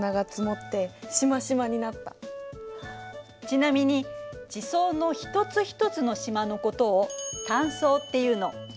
ちなみに地層の一つ一つのしまのことを単層っていうの。